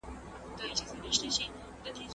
په دې اداره کي د برياليو کسانو ستاينه کيږي.